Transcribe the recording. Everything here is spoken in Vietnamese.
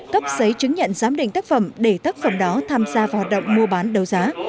cấp giấy chứng nhận giám định tác phẩm để tác phẩm đó tham gia vào hoạt động mua bán đấu giá